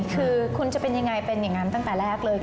คือคุณจะเป็นยังไงเป็นอย่างนั้นตั้งแต่แรกเลย